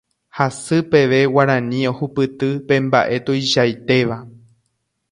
Hasy peve Guarani ohupyty pe mbaʼe tuichaitéva.